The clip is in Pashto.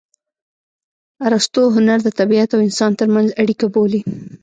ارستو هنر د طبیعت او انسان ترمنځ اړیکه بولي